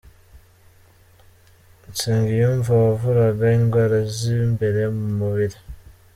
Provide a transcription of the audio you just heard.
Nsengiyumva wavuraga indwara z’imbere mu mubiri.